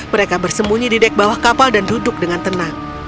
mereka bersembunyi di dek bawah kapal dan duduk dengan tenang